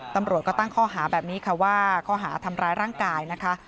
ตำรวจก็ตั้งข้อหาแบบนี้ค่ะว่าข้อหาทำร้ายร่างกายนะคะ